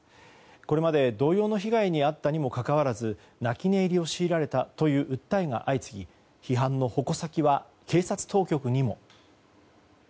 これまで同様の被害に遭ったにもかかわらず泣き寝入りを強いられたという訴えが相次ぎ批判の矛先は警察当局にも。